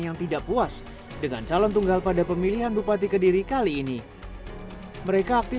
yang tidak puas dengan calon tunggal pada pemilihan bupati kediri kali ini mereka aktif